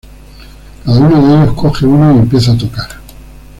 Cada uno de ellos coge uno y empieza a tocar.